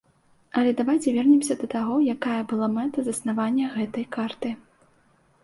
Але давайце вернемся да таго, якая была мэта заснавання гэтай карты.